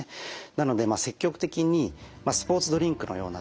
なので積極的にスポーツドリンクのようなですね